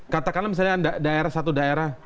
katakanlah misalnya satu daerah